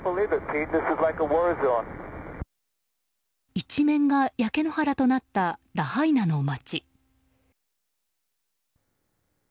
一面が焼け野原となったラハイナの街。